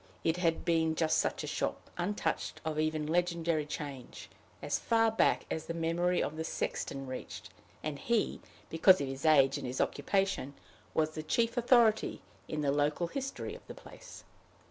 It had been just such a shop, untouched of even legendary change, as far back as the memory of the sexton reached; and he, because of his age and his occupation, was the chief authority in the local history of the place.